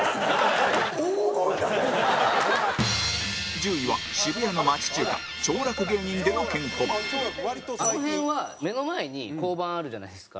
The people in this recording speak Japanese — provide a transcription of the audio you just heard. １０位は、渋谷の町中華兆楽芸人でのケンコバ伊藤：あの辺は、目の前に交番あるじゃないですか。